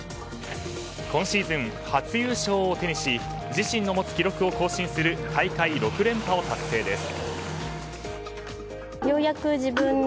今シーズン初優勝を手にし自身の持つ記録を更新する大会６連覇を達成です。